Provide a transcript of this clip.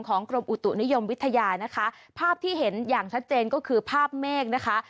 กรมอุตุนิยมวิทยานะคะภาพที่เห็นอย่างชัดเจนก็คือภาพเมฆนะคะ